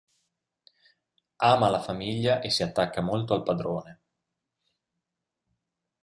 Ama la famiglia e si attacca molto al padrone.